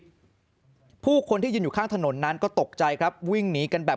ผู้คนที่ยืนอยู่ข้างถนนนั้นก็ตกใจครับวิ่งหนีกันแบบ